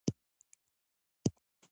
ځمکنی شکل د افغانانو ژوند اغېزمن کوي.